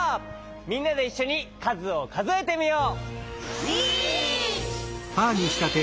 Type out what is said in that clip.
みんなでいっしょにかずをかぞえてみよう！